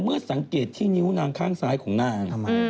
เมื่อสังเกตที่นิ้วนางข้างซ้ายของนางทำไม